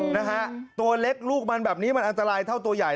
นะฮะตัวเล็กลูกมันแบบนี้มันอันตรายเท่าตัวใหญ่